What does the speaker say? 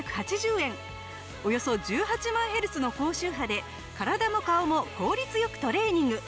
およそ１８万ヘルツの高周波で体も顔も効率良くトレーニング。